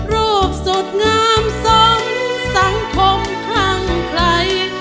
รูปสุดงามสมสังคมข้างใคร